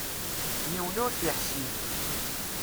Yiwen ur t-iḥsib.